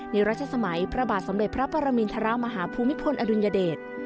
รัชสมัยพระบาทสมเด็จพระปรมินทรมาฮภูมิพลอดุลยเดช